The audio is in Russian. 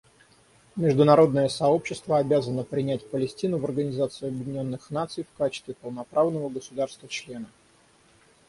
Международное сообщество обязано принять Палестину в Организацию Объединенных Наций в качестве полноправного государства-члена.